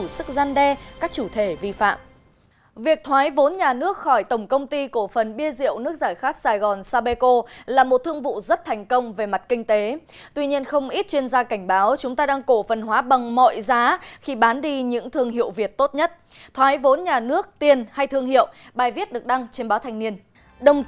xin chào và hẹn gặp lại trong các bản tin tiếp theo